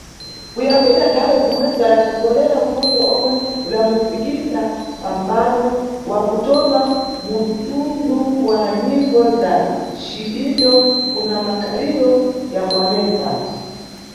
Kuyambira nthawe zimwezo adatsogolera nfunde omwe udamufikisa pampando wakutoma muntundu wa nyimbo za cidindo kuna makhaliro ya kuAmérica.